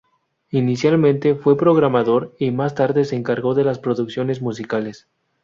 Inicialmente fue programador y más tarde se encargó de las producciones musicales.